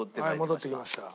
はい戻ってきました。